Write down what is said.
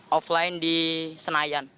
offline di senayan